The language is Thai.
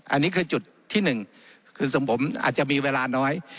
อันนี้คือจุดที่หนึ่งคือทรงผมอาจจะมีเวลาน้อย